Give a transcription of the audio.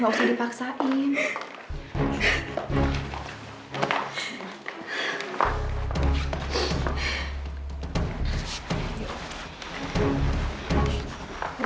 gak usah dipaksain